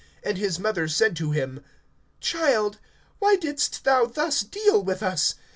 And his mother said to him: Child, why didst thou thus deal with us?